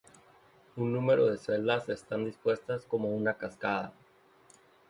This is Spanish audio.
Un número de celdas están dispuestas como una cascada.